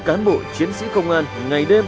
cán bộ chiến sĩ công an ngày đêm